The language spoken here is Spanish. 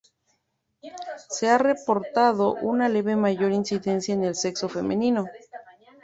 Se ha reportado una leve mayor incidencia en el sexo femenino.